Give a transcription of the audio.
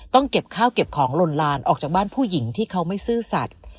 เก็บข้าวเก็บของลนลานออกจากบ้านผู้หญิงที่เขาไม่ซื่อสัตว์